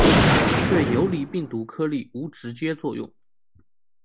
对游离病毒颗粒无直接作用。